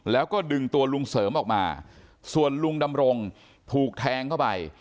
แล้วก็ดึงตัวลุงเสริมออกมาส่วนลุงดำรงถูกแทงเข้าไป